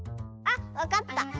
あっわかった。